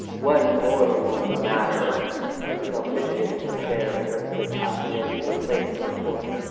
"One more won't matter." Isabel fidgeted in her chair and nervously tapped the edge of her plate with her fork.